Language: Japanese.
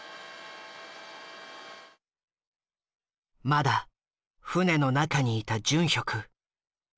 まだ船の中にいたジュンヒョク。